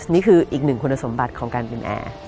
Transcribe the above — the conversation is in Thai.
นี่คืออีกหนึ่งคุณสมบัติของการเป็นแอร์